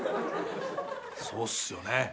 そうっすよね。